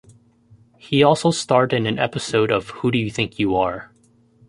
He also starred in an episode of Who Do You Think You Are?